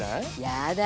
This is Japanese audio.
やだ